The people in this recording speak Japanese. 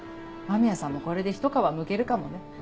間宮さんもこれでひと皮むけるかもね。